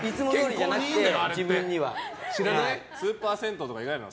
スーパー銭湯とか行かないの？